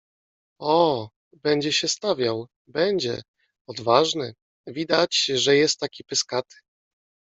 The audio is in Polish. Ooo! Będzie się stawiał. Będzie. Odważny. Widać, że jest taki pyskaty.